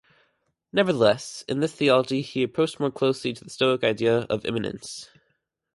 Nevertheless, in this theology he approached more closely to the Stoic idea of immanence.